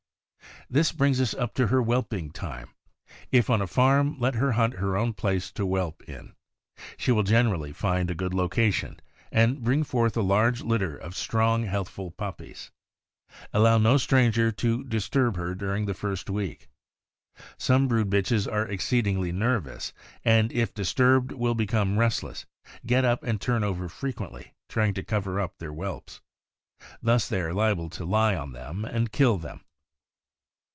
This brings us up to her whelping time. If on a farm, let her hunt her own place to whelp in. She will generally find a good location, and bring forth a large litter of strong, healthful puppies. Allow no stranger to disturb her dur ing the first week. Some brood bitches are exceedingly nervous, and if disturbed will become restless, get up and turn over frequently, trying to cover up their whelps. Thus they are liable to lie on them and kill them.